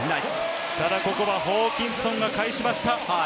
ここはホーキンソンが返しました。